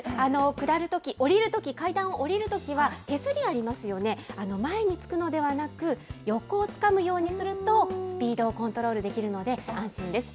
下るとき、下りるとき、階段を下りるときは、手すりありますよね、前につくのではなく、横をつかむようにすると、スピードをコントロールできるので、安心です。